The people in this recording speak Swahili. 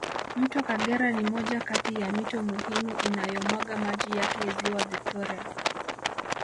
Mto kagera ni moja Kati ya mito muhimu inayo mwaga maji yake ziwa victoria